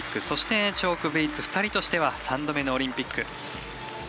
そして、チョーク、ベイツ２人としては３度目のオリンピック。